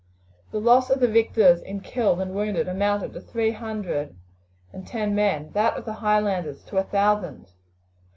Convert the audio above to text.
The loss of the victors in killed and wounded amounted to three hundred and ten men, that of the Highlanders to a thousand.